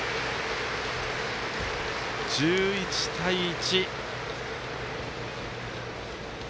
１１対１。